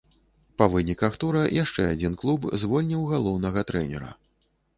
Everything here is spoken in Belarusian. Па выніках тура яшчэ адзін клуб звольніў галоўнага трэнера.